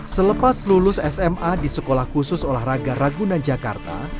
selepas lulus sma di sekolah khusus olahraga ragunan jakarta